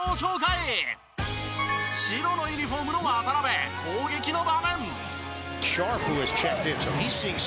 白のユニホームの渡邊攻撃の場面。